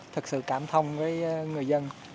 thật sự cảm thông với người dân